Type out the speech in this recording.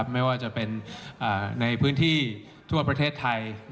ไม่ว่าจะเป็นในพื้นที่ทั่วประเทศไทย